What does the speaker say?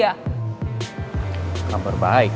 kalo pas gue denger kabar baik gue bisa ngelakuin dia